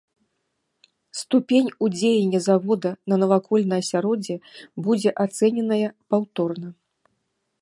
Ступень уздзеяння завода на навакольнае асяроддзе будзе ацэненая паўторна.